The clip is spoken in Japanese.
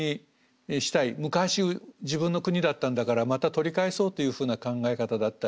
昔自分の国だったんだからまた取り返そうというふうな考え方だったり。